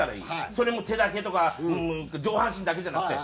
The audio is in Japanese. それも手だけとか上半身だけじゃなくて。